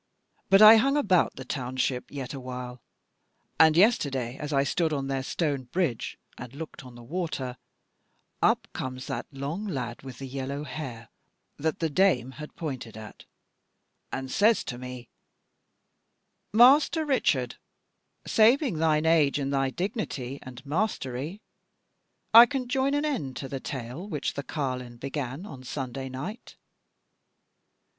But I hung about the township yet a while, and yesterday as I stood on their stone bridge, and looked on the water, up comes that long lad with the yellow hair that the dame had pointed at, and says to me: 'Master Richard, saving thine age and thy dignity and mastery, I can join an end to the tale which the carline began on Sunday night.'